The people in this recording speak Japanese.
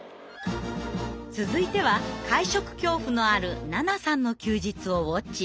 続いては会食恐怖のあるななさんの休日をウォッチング。